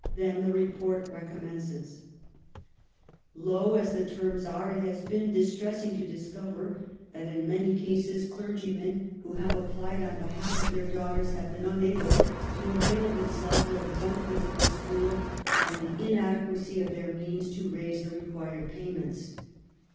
Then the report recom mences :" Low as the terms are, it has been distressing to discover that in many cases clergymen who have applied on behalf of their daughters have been unable to avail themselves of the benefits of the school from the inadequacy of their means to raise the required payments.